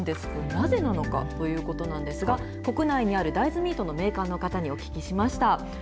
なぜなのかということなんですが、国内にある大豆ミートのメーカーの方にお聞きしました。